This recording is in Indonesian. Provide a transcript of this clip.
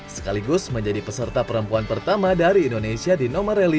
sekaligus menjadi peserta perempuan pertama dari indonesia di nomorelli